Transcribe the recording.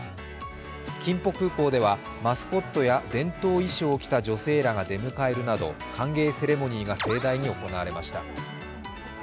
キンポ空港ではマスコットや伝統衣装を着た女性らが出迎えるなど歓迎セレモニーが盛大に行われました。